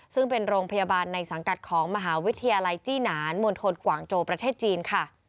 ซึ่งเป็นโรงพยาบาลในสังกัดของมหาวิทยาลัยจี้หนานมณฑลกว่างโจประเทศจีนค่ะ